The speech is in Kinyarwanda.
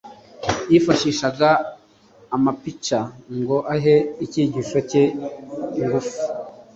Yifashishaga amapica ngo ahe icyigisho cye ingufu.